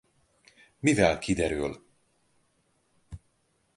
Mivel kiderül.